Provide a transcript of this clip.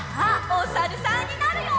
おさるさん。